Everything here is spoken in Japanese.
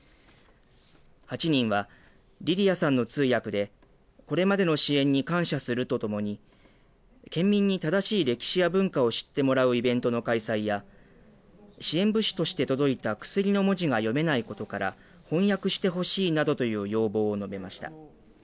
８人はリリヤさんの通訳でこれまでの支援に感謝するとともに県民に正しい歴史や文化を知ってもらうイベントの開催や支援物資として届いた薬の文字が読めないことから翻訳してほしいなどという要望を述べました。